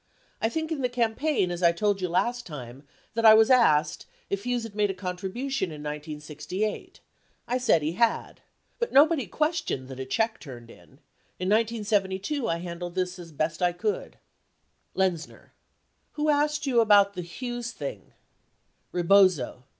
I think in the campaign as I told you last time, that I was asked, if Hughes had made a contribution in 1968. I said he had. But nobody questioned that a check turned in. In 1972 I handled this as best I could. Lenzner. Who asked you about the Hughes thing Rebozo.